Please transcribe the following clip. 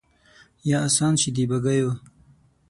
یا آسان شي د بګیو